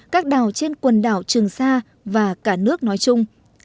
các đảo trên quần đảo trường sa và cả nước nói chung